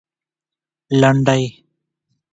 لنډۍ